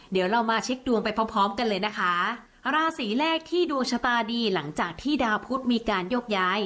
เดี๋ยวเรามาเช็คดวงไปพร้อมพร้อมกันเลยนะคะราศีแรกที่ดวงชะตาดีหลังจากที่ดาวพุทธมีการโยกย้าย